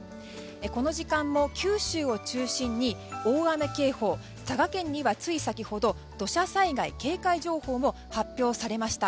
この時間も九州を中心に大雨警報佐賀県には、つい先ほど土砂災害警戒情報も発表されました。